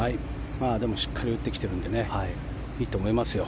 でもしっかり打ってきているのでいいと思いますよ。